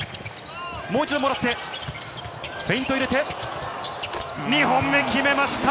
もう一度もらって、フェイント入れて、２本目決めました。